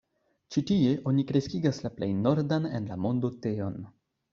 Ĉi tie oni kreskigas la plej nordan en la mondo teon.